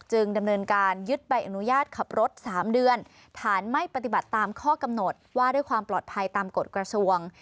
ดำเนินการยึดใบอนุญาตขับรถ๓เดือนฐานไม่ปฏิบัติตามข้อกำหนดว่าด้วยความปลอดภัยตามกฎกระทรวง